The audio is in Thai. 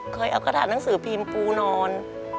เคยเอากระถาหนังสือพิมพ์ปูนอน